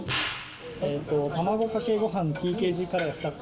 卵かけごはん、ＴＫＧカレー２つ。